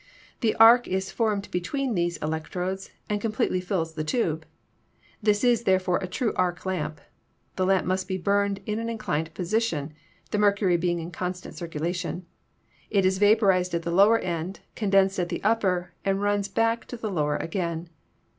The arc is formed between these electrodes and completely fills the tube. This is, therefore, a true arc lamp. The lamp must be burned in an inclined posi tion, the mercury being in constant circulation. It is vaporized at the lower end, condensed at the upper, and runs back to the lower again.